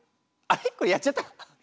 これやっちゃった？